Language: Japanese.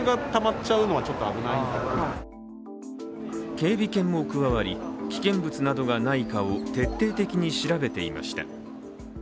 警備犬も加わり、危険物がないかを徹底的に調べていました。